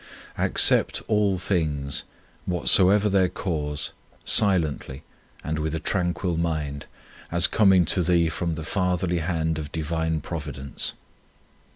1 Accept all things, whatsoever their cause, silently and with a tranquil mind, as coming to thee from the fatherly hand of Divine Providence.